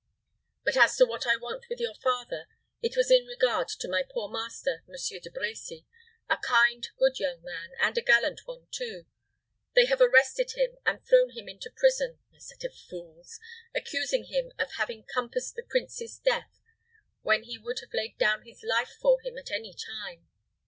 But as to what I want with your father, it was in regard to my poor master, Monsieur De Brecy, a kind, good young man, and a gallant one, too. They have arrested him, and thrown him into prison a set of fools! accusing him of having compassed the prince's death, when he would have laid down his life for him at any time.